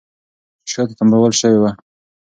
شاته تمبول شوې وه